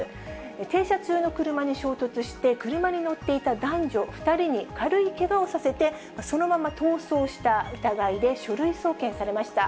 停車中の車に衝突して、車に乗っていた男女２人に軽いけがをさせて、そのまま逃走した疑いで書類送検されました。